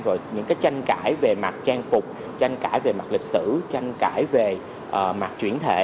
rồi những cái tranh cãi về mặt trang phục tranh cãi về mặt lịch sử tranh cãi về mặt chuyển thể